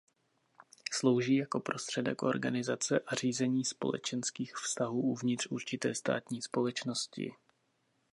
Slouží jako prostředek organizace a řízení společenských vztahů uvnitř určité státní společnosti.